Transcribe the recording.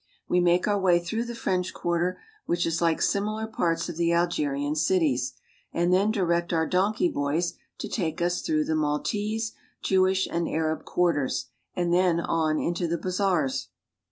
We make our way through the French quarter, which is like similar parts of the Algerian cities, and then direct our donkey boys to take us through the Maltese, Jewish, and Arab quarters, and then on into the bazaars.